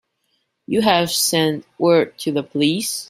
You have sent word to the police?